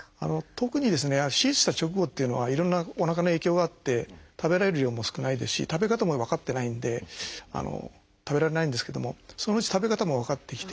特に手術した直後っていうのはいろんなおなかの影響があって食べられる量も少ないですし食べ方も分かってないんで食べられないんですけどもそのうち食べ方も分かってきて